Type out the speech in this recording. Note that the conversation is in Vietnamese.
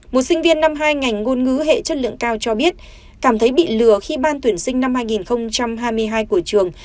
một sinh viên năm hai ngành ngôn ngữ hệ chất lượng cao cho biết cảm thấy bị lừa khi ban tuyển sinh năm hai nghìn hai mươi hai của trường